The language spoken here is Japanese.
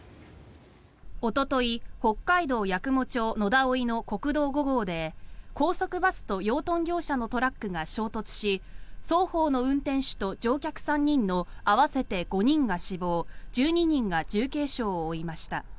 おととい北海道八雲町野田生の国道５号で高速バスと養豚業者のトラックが衝突し双方の運転手と乗客３人の合わせて５人が死亡１２人が重軽傷を負いました。